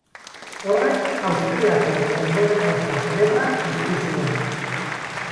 Horrek Austriako Ondorengotza Gerra piztu zuen.